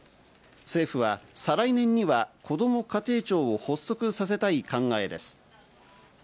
政府は再来年にはこども家庭庁を発足させたい考えです。